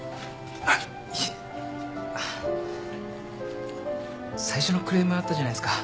いえあっ最初のクレームあったじゃないすか。